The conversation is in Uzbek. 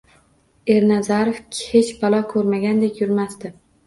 Ernazarov hech balo ko`rmagandek yurmasdi